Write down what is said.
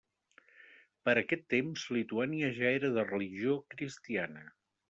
Per a aquest temps, Lituània ja era de religió cristiana.